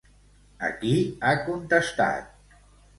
A qui ha contestat?